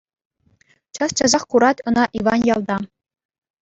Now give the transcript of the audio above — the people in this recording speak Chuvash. Час-часах курать ӑна Иван ялта.